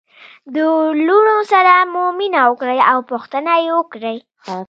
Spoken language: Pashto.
د لوڼو سره مو مینه وکړئ او پوښتنه يې وکړئ